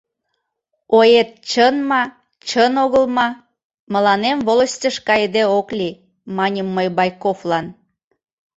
—...Оет чын ма, чын огыл ма — мыланем волостьыш кайыде ок лий, — маньым мый Байковлан.